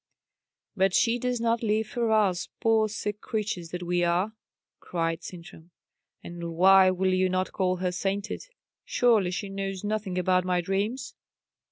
"But she does not live for us, poor sick creatures that we are!" cried Sintram. "And why will you not call her sainted? Surely she knows nothing about my dreams?"